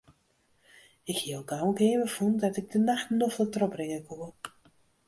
Ik hie al gau in keamer fûn dêr't ik de nachten noflik trochbringe koe.